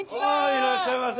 あいらっしゃいませ！